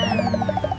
mereka masih siap